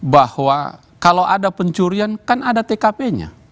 bahwa kalau ada pencurian kan ada tkp nya